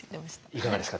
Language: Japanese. いかがですか？